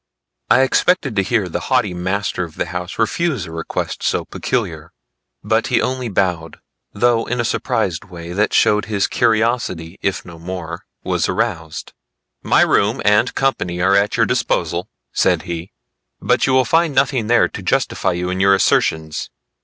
I expected to hear the haughty master of the house refuse a request so peculiar. But he only bowed, though in a surprised way that showed his curiosity if no more was aroused. "My room and company are at your disposal," said he, "but you will find nothing there to justify you in your assertions."